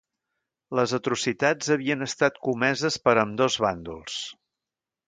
Les atrocitats havien estat comeses per ambdós bàndols.